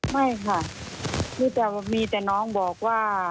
ไม่ค่ะมีแต่น้องบอกว่า